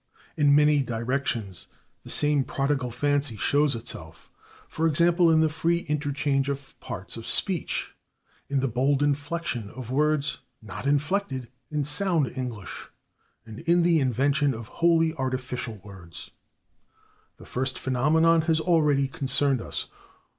In many directions the same prodigal fancy shows itself for example, in the free interchange of parts of speech, in the bold inflection of words not inflected in sound English, and in the invention of wholly artificial words. The first phenomenon has already concerned us.